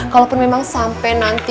kalaupun memang sampai nanti